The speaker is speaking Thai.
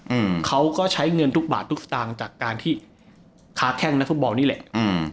อืมเขาก็ใช้เงินทุกบาททุกสตางค์จากการที่ค้าแข้งนักฟุตบอลนี่แหละอืม